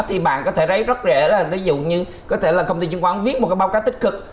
thì bạn có thể thấy rất dễ là ví dụ như có thể là công ty chứng khoán viết một cái báo cáo tích cực